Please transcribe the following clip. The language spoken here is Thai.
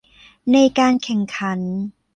ในการแข่งขัน